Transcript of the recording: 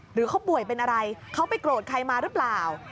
หรือเขาป่วยเป็นอะไรเขาไปโกรธใครมาหรือเปล่า